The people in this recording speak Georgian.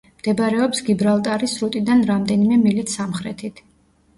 მდებარეობს გიბრალტარის სრუტიდან რამდენიმე მილით სამხრეთით.